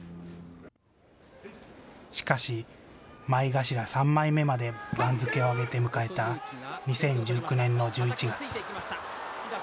しかし前頭３枚目まで番付を上げて迎えた２０１９年の１１月。